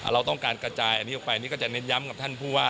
เราต้องการกระจายอันนี้ออกไปนี่ก็จะเน้นย้ำกับท่านผู้ว่า